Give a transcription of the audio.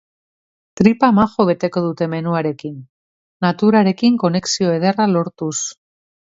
Tripa majo beteko dute menuarekin, naturarekin konexio ederra lortuz.